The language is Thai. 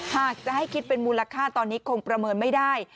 หากจะให้คิดเป็นมูลค่าตอนนี้คงประเมินไม่ได้